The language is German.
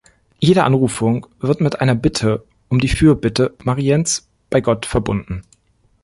Jede Anrufung wird mit einer Bitte um die Fürbitte Mariens bei Gott verbunden.